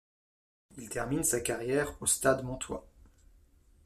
Il termine sa carrière au Stade montois.